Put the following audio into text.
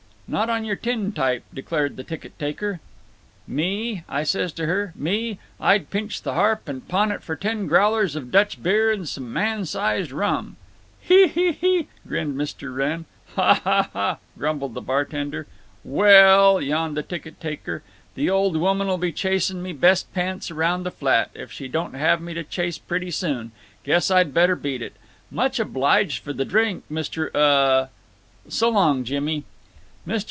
"Not on your tin type," declared the ticket taker. "'Me?' I says to her. 'Me? I'd pinch the harp and pawn it for ten growlers of Dutch beer and some man sized rum!'" "Hee, hee hee!" grinned Mr. Wrenn. "Ha, ha, ha!" grumbled the bartender. "Well l l," yawned the ticket taker, "the old woman'll be chasing me best pants around the flat, if she don't have me to chase, pretty soon. Guess I'd better beat it. Much obliged for the drink, Mr. Uh. So long, Jimmy." Mr.